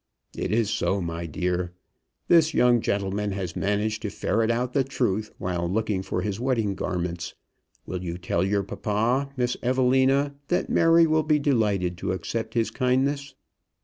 "It is so, my dear. This young gentleman has managed to ferret out the truth, while looking for his wedding garments. Will you tell your papa, Miss Evelina, that Mary will be delighted to accept his kindness?"